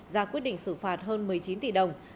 ra quyết định xử phạt hơn một mươi chín tỷ đồng